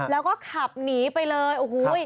แล้วก็ขับหนีไปเลยโอ้โห